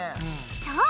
そう！